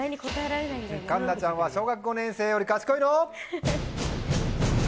環奈ちゃんは小学５年生より賢いの？